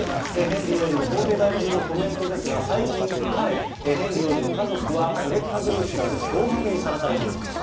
ヘンリー王子の法定代理人のコメントですが、最近、彼、ヘンリー王子の家族は過激派グループからの脅迫にさらされている。